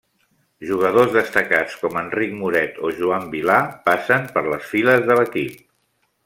Jugadors destacats com Enric Moret o Joan Vilà passen per les files de l'equip.